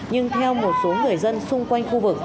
nhưng theo một số người dân xung quanh khu vực